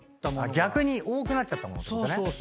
逆に多くなっちゃったものってことね。